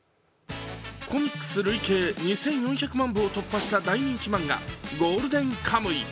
コミックス累計２４００万部を突破した大人気漫画「ゴールデンカムイ」。